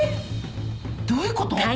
どういうこと？